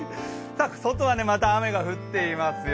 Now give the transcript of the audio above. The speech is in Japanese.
外はまだ雨が降っていますよ。